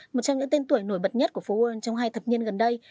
một trong những tên tuổi nổi bật nhất của phố warren trong hai thập nhiên gần đây